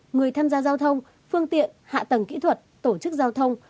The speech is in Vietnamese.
người tham gia giao thông phương tiện hạ tầng kỹ thuật tổ chức giao thông